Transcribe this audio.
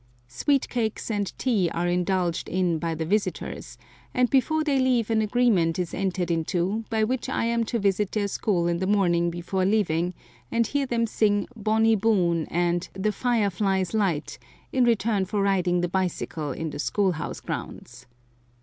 Sweetcakes and tea are indulged in by the visitors, and before they leave an agreement is entered into by which I am to visit their school in the morning before leaving and hear them sing "Bonny Boon" and "The fire fly's light," in return for riding the bicycle in the school house grounds.